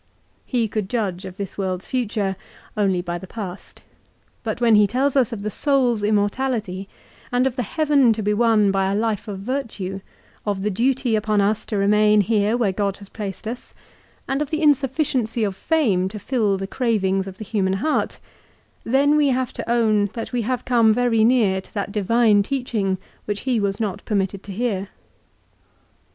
He could judge of this world's future only by the past. But when he tells us of the soul's immor tality, and of the heaven to be won by a life of virtue, of the duty upon us to remain here where God has placed us, and of the insufficiency of fame to fill the cravings of the human heart, then we have to own that we have come very near to that divine teaching which he was not permitted to hear.